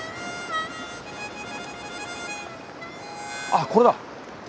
あこれだ！